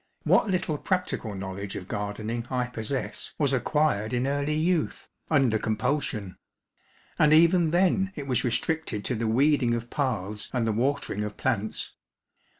What little prac tical knowledge of gardening I possess was acquired in early youth, under compulsion ; and even then it was restricted to the weeding of paths and the watering of plants.